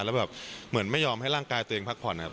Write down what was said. แล้วแบบเหมือนไม่ยอมให้ร่างกายตัวเองพักผ่อนครับ